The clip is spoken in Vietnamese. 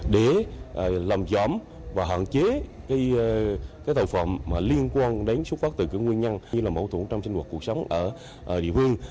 để làm gióm và hạn chế cái tạo phẩm liên quan đến xúc phát từ cái nguyên nhân như là mâu thuẫn trong sinh hoạt cuộc sống ở địa phương